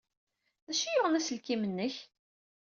D acu ay yuɣen aselkim-nnek?